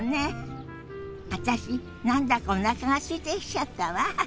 私何だかおなかがすいてきちゃったわ。